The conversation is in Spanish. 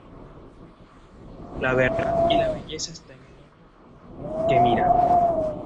La verdad y la belleza está en el ojo que mira.